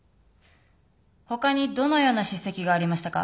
他にどのような叱責がありましたか？